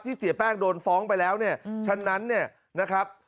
เสียแป้งโดนฟ้องไปแล้วเนี่ยฉะนั้นเนี่ยนะครับ